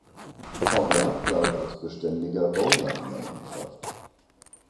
Hoggard galt als beständiger Bowler in der Mannschaft.